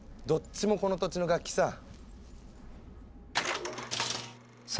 どっちもこの土地の楽器さ。